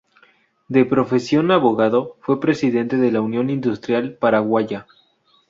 De profesión abogado, fue presidente de la Unión industrial paraguaya.